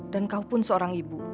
dan kau pun seorang ibu